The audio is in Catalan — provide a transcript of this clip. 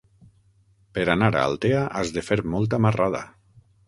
Per anar a Altea has de fer molta marrada.